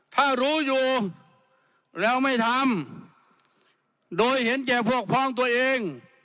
ถ้ารู้อยู่แล้วไม่ทำโดยเห็นแก่พวกพ้องตัวเอง